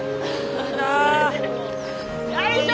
はい。